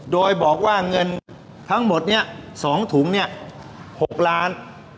โดยบอกว่าเงินทั้งหมดนี้๒ถุงเนี่ย๖ล้าน